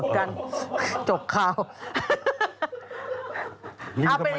ข่าวอะไรครับพี่ก่า